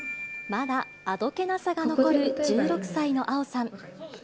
まだあどけなさが残る１６歳のａｏさん。